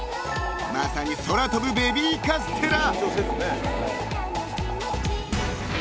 ［まさに空飛ぶベビーカステラ］